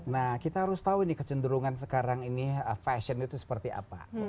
nah kita harus tahu ini kecenderungan sekarang ini fashion itu seperti apa